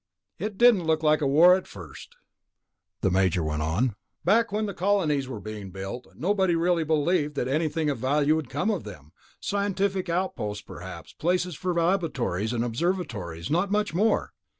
"It didn't look like a war, at first," the Major went on. "Back when the colonies were being built, nobody really believed that anything of value would come of them ... scientific outposts, perhaps, places for laboratories and observatories, not much more.